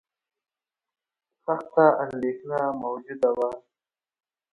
سخته اندېښنه موجوده وه.